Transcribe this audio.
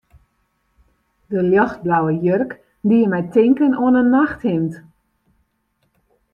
De ljochtblauwe jurk die my tinken oan in nachthimd.